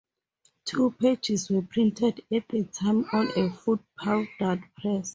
Two pages were printed at a time on a foot-powered press.